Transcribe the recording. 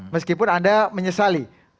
meskipun anda menyesali